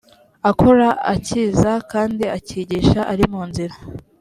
akora akiza kandi akigisha ari mu nzira